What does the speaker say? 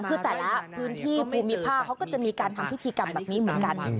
คือแต่ละพื้นที่ภูมิภาคเขาก็จะมีการทำพิธีกรรมแบบนี้เหมือนกัน